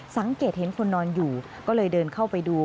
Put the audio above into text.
สังเกตเห็นคนนอนอยู่ก็เลยเดินเข้าไปดู